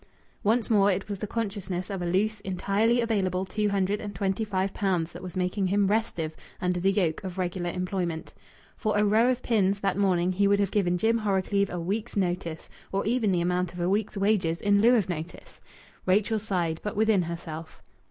Once more, it was the consciousness of a loose, entirely available two hundred and twenty five pounds that was making him restive under the yoke of regular employment. For a row of pins, that morning, he would have given Jim Horrocleave a week's notice, or even the amount of a week's wages in lieu of notice! Rachel sighed, but within herself.